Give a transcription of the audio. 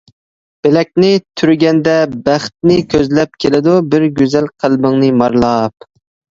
بىلەكنى تۈرگەندە بەختنى كۆزلەپ كېلىدۇ بىر گۈزەل قەلبىڭنى مارىلاپ.